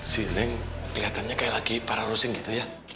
si leng kelihatannya kayak lagi para rosing gitu ya